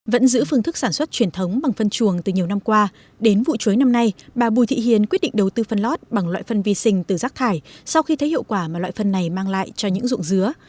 vẫn giữ phương thức sản xuất truyền thống bằng phân chuồng từ nhiều năm qua đến vụ chuối năm nay bà bùi thị hiền quyết định đầu tư phân lót bằng loại phân vi sinh từ rác thải sau khi thấy hiệu quả mà loại phân này mang lại cho những ruộng dứa